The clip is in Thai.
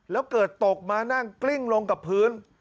แล้วเกิดตกมานั่งกลิ้งลงกับพื้น